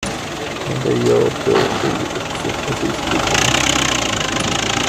Men det gör då du också precis lika mycket.